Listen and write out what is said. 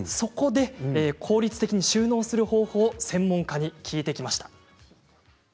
効率的に収納する方法を専門家に聞きました。